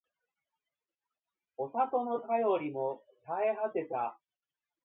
お里の便りも絶え果てた